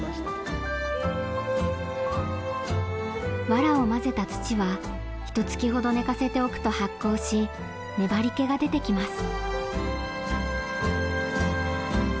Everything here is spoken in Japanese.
ワラをまぜた土はひとつきほど寝かせておくと発酵し粘りけが出てきます。